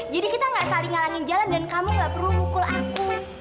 jadi kita gak saling ngalangin jalan dan kamu gak perlu mukul aku